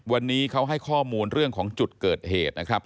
วันนี้เขาให้ข้อมูลเรื่องของจุดเกิดเหตุนะครับ